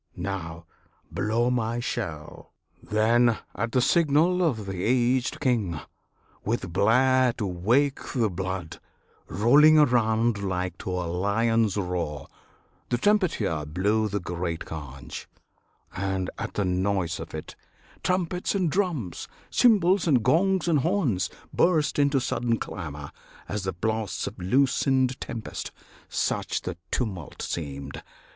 Now, blow my shell!" Then, at the signal of the aged king, With blare to wake the blood, rolling around Like to a lion's roar, the trumpeter Blew the great Conch; and, at the noise of it, Trumpets and drums, cymbals and gongs and horns Burst into sudden clamour; as the blasts Of loosened tempest, such the tumult seemed!